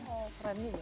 oh keren juga